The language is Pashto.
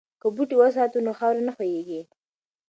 که بوټي وساتو نو خاوره نه ښویېږي.